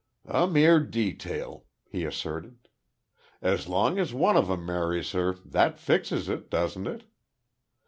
"A mere detail," he asserted. "As long as one of 'em marries her, that fixes it, doesn't it?